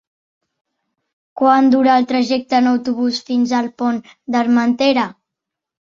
Quant dura el trajecte en autobús fins al Pont d'Armentera?